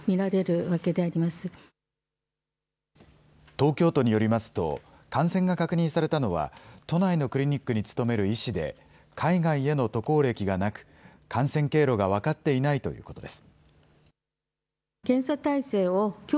東京都によりますと、感染が確認されたのは、都内のクリニックに勤める医師で、海外への渡航歴がなく、感染経路が分かっていないということです。